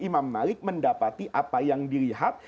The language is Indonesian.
imam malik mendapati apa yang dilihat